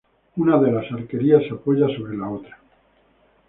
Una de las arquerías se apoya sobre la otra.